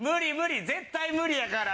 絶対無理やから。